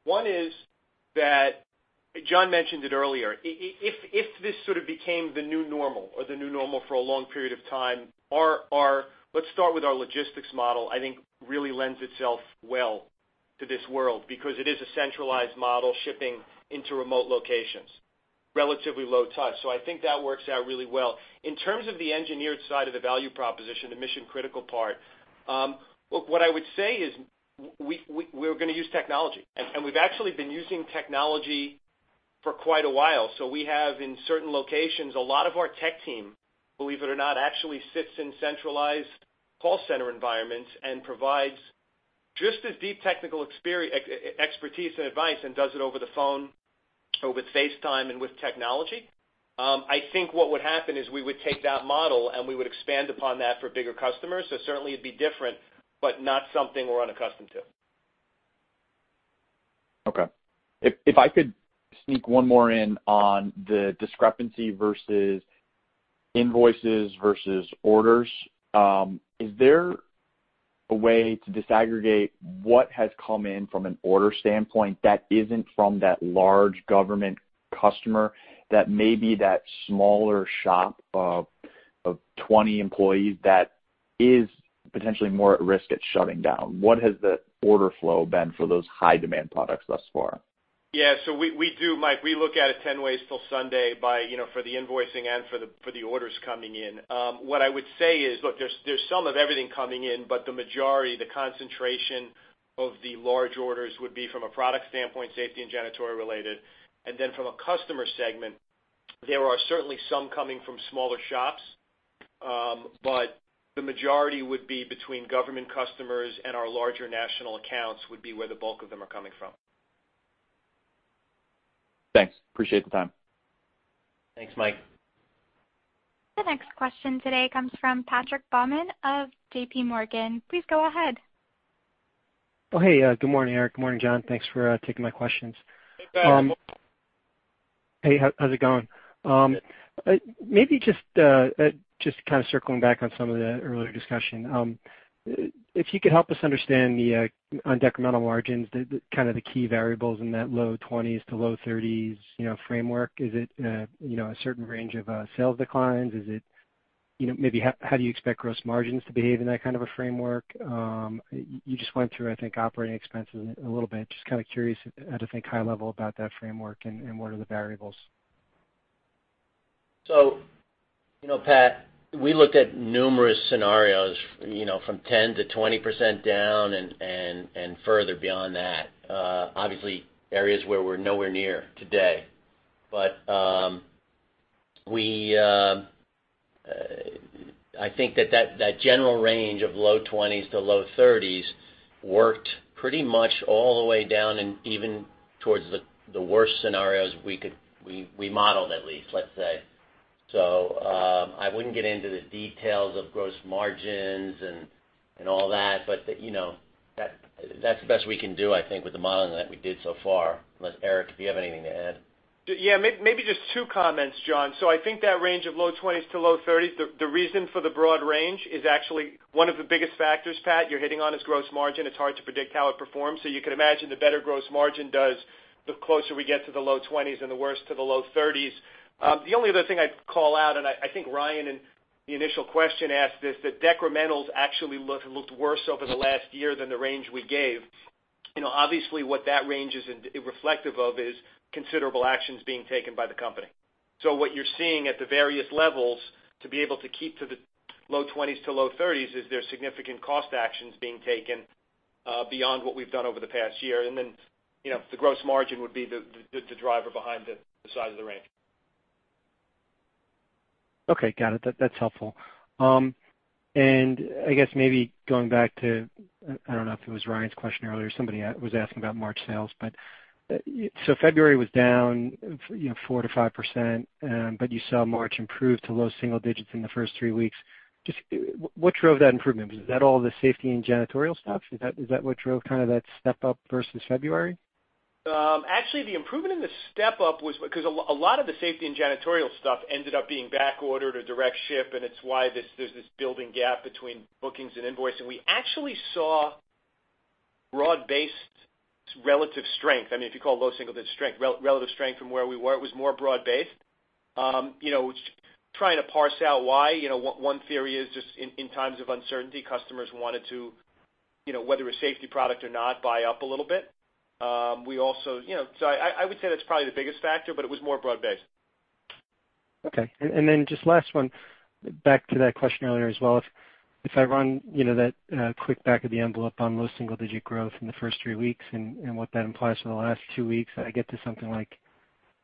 One is that, John mentioned it earlier, if this sort of became the new normal or the new normal for a long period of time, let's start with our logistics model, I think really lends itself well to this world because it is a centralized model, shipping into remote locations, relatively low touch. I think that works out really well. In terms of the engineered side of the value proposition, the mission-critical part, what I would say is we're going to use technology, and we've actually been using technology for quite a while. We have, in certain locations, a lot of our tech team, believe it or not, actually sits in centralized call center environments and provides just as deep technical expertise and advice and does it over the phone or with FaceTime and with technology. I think what would happen is we would take that model, and we would expand upon that for bigger customers. Certainly, it'd be different, but not something we're unaccustomed to. Okay. If I could sneak one more in on the discrepancy versus invoices versus orders. Is there a way to disaggregate what has come in from an order standpoint that isn't from that large government customer, that may be that smaller shop of 20 employees that is potentially more at risk at shutting down? What has the order flow been for those high-demand products thus far? We do, Mike, we look at it 10 ways till Sunday for the invoicing and for the orders coming in. What I would say is, look, there's some of everything coming in, the majority, the concentration of the large orders would be from a product standpoint, safety and janitorial related. From a customer segment, there are certainly some coming from smaller shops. The majority would be between government customers and our larger national accounts would be where the bulk of them are coming from. Thanks. Appreciate the time. Thanks, Mike. The next question today comes from Patrick Baumann of JPMorgan. Please go ahead. Oh, hey. Good morning, Erik. Morning, John. Thanks for taking my questions. Hey, Pat. Hey, how's it going? Maybe just kind of circling back on some of the earlier discussion. If you could help us understand the on decremental margins, kind of the key variables in that low 20s to low 30s framework? Is it a certain range of sales declines? Maybe how do you expect gross margins to behave in that kind of a framework? You just went through, I think, operating expenses a little bit. Just kind of curious to think high level about that framework and what are the variables? Pat, we looked at numerous scenarios from 10%-20% down and further beyond that. Obviously, areas where we're nowhere near today. I think that general range of low 20s to low 30s worked pretty much all the way down, and even towards the worst scenarios we modeled at least, let's say. I wouldn't get into the details of gross margins and all that, but that's the best we can do, I think, with the modeling that we did so far. Unless, Erik, if you have anything to add. Yeah, maybe just two comments, John. I think that range of low 20s to low 30s, the reason for the broad range is actually one of the biggest factors, Pat, you're hitting on, is gross margin. It's hard to predict how it performs. You can imagine the better gross margin does, the closer we get to the low 20s and the worst to the low 30s. The only other thing I'd call out, I think Ryan in the initial question asked this, the decrementals actually looked worse over the last year than the range we gave. Obviously, what that range is reflective of is considerable actions being taken by the company. What you're seeing at the various levels to be able to keep to the low 20s to low 30s is there's significant cost actions being taken beyond what we've done over the past year. The gross margin would be the driver behind the size of the rank. Okay, got it. That's helpful. I guess maybe going back to, I don't know if it was Ryan's question earlier, somebody was asking about March sales. February was down 4%-5%, you saw March improve to low single digits in the first three weeks. Just what drove that improvement? Was that all the safety and janitorial stuff? Is that what drove that step up versus February? Actually, the improvement in the step up was, because a lot of the safety and janitorial stuff ended up being back ordered or direct-ship, and it's why there's this building gap between bookings and invoicing. We actually saw broad-based relative strength. If you call low single-digit strength, relative strength from where we were, it was more broad-based. Trying to parse out why. One theory is just in times of uncertainty, customers wanted to, whether a safety product or not, buy up a little bit. I would say that's probably the biggest factor, but it was more broad-based. Okay. Then just last one, back to that question earlier as well. If I run that quick back of the envelope on low single digit growth in the first three weeks and what that implies for the last two weeks, I get to something like,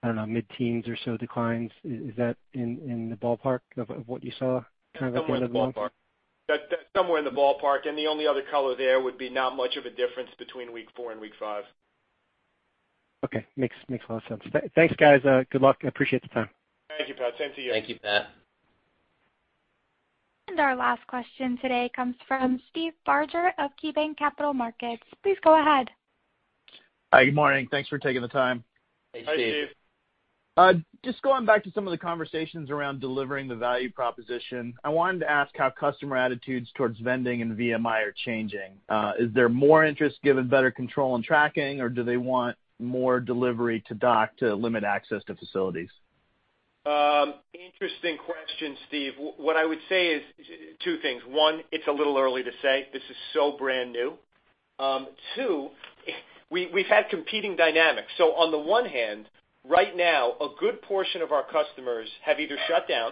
I don't know, mid-teens or so declines. Is that in the ballpark of what you saw kind of at the end of the month? Somewhere in the ballpark. That's somewhere in the ballpark, the only other color there would be not much of a difference between week four and week five. Okay. Makes a lot of sense. Thanks, guys. Good luck. I appreciate the time. Thank you, Pat. Same to you. Thank you, Pat. Our last question today comes from Steve Barger of KeyBanc Capital Markets. Please go ahead. Hi, good morning. Thanks for taking the time. Hey, Steve. Hi, Steve. Just going back to some of the conversations around delivering the value proposition. I wanted to ask how customer attitudes towards vending and VMI are changing. Is there more interest given better control and tracking, or do they want more delivery to dock to limit access to facilities? Interesting question, Steve. What I would say is two things. One, it's a little early to say. This is so brand new. Two, we've had competing dynamics. On the one hand, right now, a good portion of our customers have either shut down,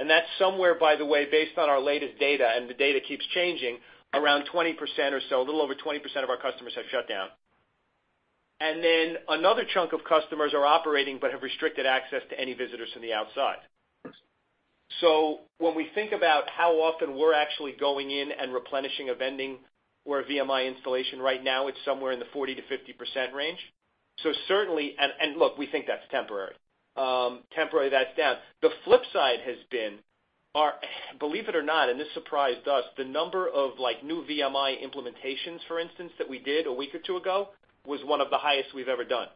and that's somewhere, by the way, based on our latest data, and the data keeps changing, around 20% or so. A little over 20% of our customers have shut down. Then another chunk of customers are operating but have restricted access to any visitors from the outside. Sure. When we think about how often we're actually going in and replenishing a vending or a VMI installation right now, it's somewhere in the 40%-50% range. Look, we think that's temporary. Temporary, that's down. The flip side has been our, believe it or not, and this surprised us, the number of new VMI implementations, for instance, that we did a week or two ago was one of the highest we've ever done.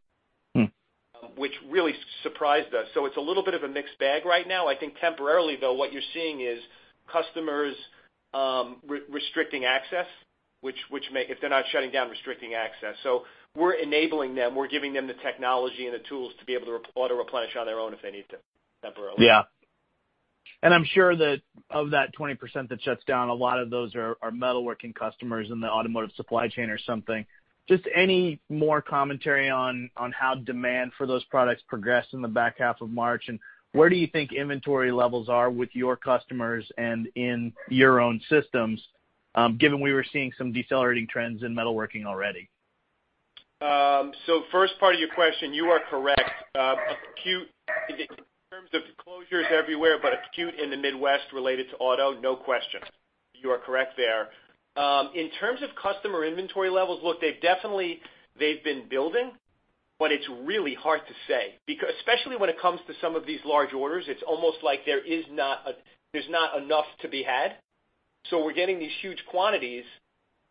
Which really surprised us. It's a little bit of a mixed bag right now. I think temporarily, though, what you're seeing is customers restricting access. If they're not shutting down, restricting access. We're enabling them. We're giving them the technology and the tools to be able to auto-replenish on their own if they need to temporarily. Yeah. I'm sure that of that 20% that shuts down, a lot of those are metalworking customers in the automotive supply chain or something. Just any more commentary on how demand for those products progressed in the back half of March, and where do you think inventory levels are with your customers and in your own systems, given we were seeing some decelerating trends in metalworking already? First part of your question, you are correct. Acute in terms of closures everywhere, but acute in the Midwest related to auto, no question. You are correct there. In terms of customer inventory levels, look, they definitely have been building, but it's really hard to say. Especially when it comes to some of these large orders, it's almost like there's not enough to be had. We're getting these huge quantities,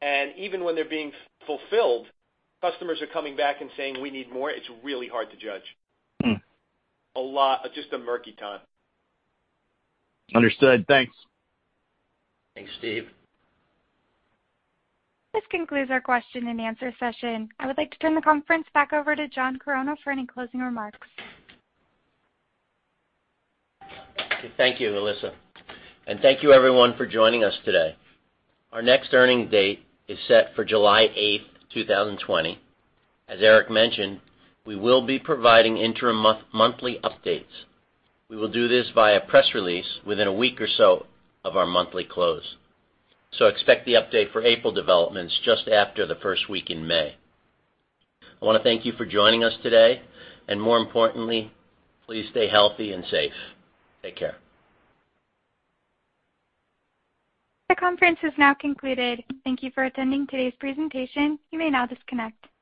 and even when they're being fulfilled, customers are coming back and saying, "We need more." It's really hard to judge. A lot. Just a murky time. Understood. Thanks. Thanks, Steve. This concludes our question-and-answer session. I would like to turn the conference back over to John Chironna for any closing remarks. Thank you, Alyssa, and thank you everyone for joining us today. Our next earnings date is set for July 8th, 2020. As Erik mentioned, we will be providing interim monthly updates. We will do this via press release within a week or so of our monthly close. Expect the update for April developments just after the first week in May. I want to thank you for joining us today, and more importantly, please stay healthy and safe. Take care. The conference is now concluded. Thank you for attending today's presentation. You may now disconnect.